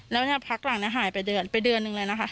แล้วเนี่ยพักหลังหายไปเดือนไปเดือนนึงเลยนะคะ